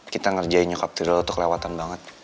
kita ngerjain nyokap tirul lo tuh kelewatan banget